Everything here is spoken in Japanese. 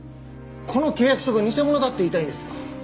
この契約書が偽物だって言いたいんですか！？